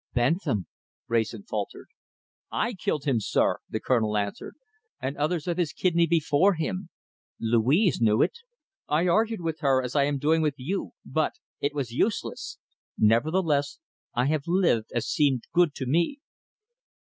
"Bentham!" Wrayson faltered. "I killed him, sir!" the Colonel answered, "and others of his kidney before him. Louise knew it. I argued with her as I am doing with you, but it was useless. Nevertheless, I have lived as seemed good to me."